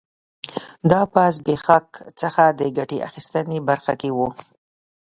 دا په زبېښاک څخه د ګټې اخیستنې برخه کې و